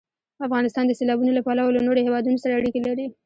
افغانستان د سیلابونه له پلوه له نورو هېوادونو سره اړیکې لري.